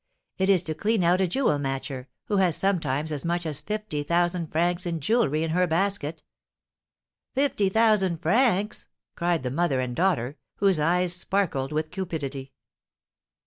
It is to clean out a jewel matcher, who has sometimes as much as fifty thousand francs in jewelry in her basket." "Fifty thousand francs!" cried the mother and daughter, whose eyes sparkled with cupidity.